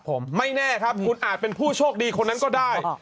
ผมไม่แน่ครับคุณอาจเป็นผู้โชคดีคนนั้นก็ได้